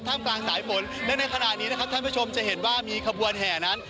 กลางสายฝนและในขณะนี้นะครับท่านผู้ชมจะเห็นว่ามีขบวนแห่นั้น